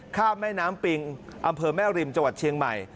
แม่น้ำปิงอำเภอแม่ริมจังหวัดเชียงใหม่